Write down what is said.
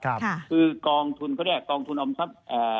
คือกองทุนเขาเรียกกองทุนออมทรัพย์